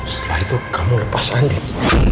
setelah itu kamu lepas lanjut